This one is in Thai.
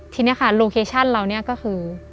ทีนี้ค่ะโลเคชั่นเราเนี่ยก็คือ